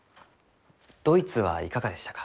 ドイツはいかがでしたか？